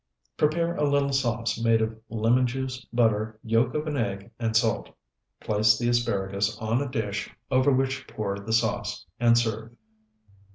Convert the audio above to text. Prepare a little sauce made of lemon juice, butter, yolk of an egg, and salt. Place the asparagus on a dish, over which pour the sauce, and serve.